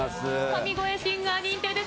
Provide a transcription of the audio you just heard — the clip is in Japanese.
神声シンガー認定です